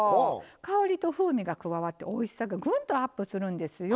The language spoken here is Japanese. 香りと風味が加わっておいしさがグンとアップするんですよ。